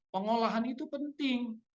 pengolahan itu penting